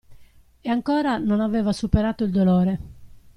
E ancora non aveva superato il dolore.